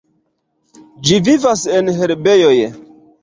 Ĝi vivas en herbejoj.